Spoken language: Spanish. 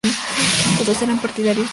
Todos eran partidarios de Hama Amadou.